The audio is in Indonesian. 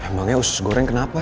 emangnya usus goreng kenapa